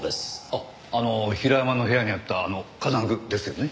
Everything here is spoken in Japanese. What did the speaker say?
あっあの平山の部屋にあった金具ですよね？